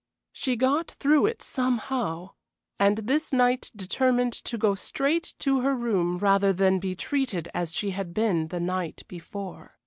She got through it somehow, and this night determined to go straight to her room rather than be treated as she had been the night before.